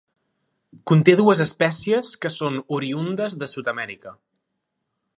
Conté dues espècies, que són oriündes de Sud-amèrica.